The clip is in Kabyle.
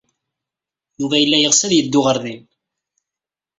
Yuba yella yeɣs ad yeddu ɣer din.